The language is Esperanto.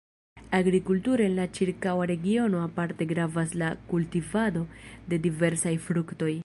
Agrikulture en la ĉirkaŭa regiono aparte gravas la kultivado de diversaj fruktoj.